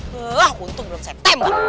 wah untung belum saya tembak